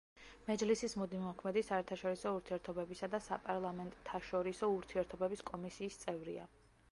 მეჯლისის მუდმივმოქმედი საერთაშორისო ურთიერთობებისა და საპარლამენტთაშორისო ურთიერთობების კომისიის წევრია.